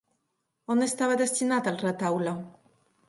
On estava destinat el retaule?